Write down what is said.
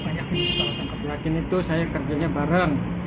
gak yakin itu saya kerjanya bareng